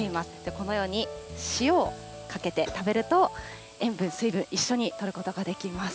このように塩をかけて食べると、塩分、水分、一緒にとることができます。